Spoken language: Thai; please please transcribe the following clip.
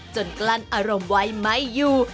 กลั้นอารมณ์ไว้ไม่อยู่